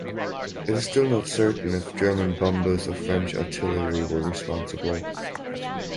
It is still not certain if German bombers or French artillery were responsible.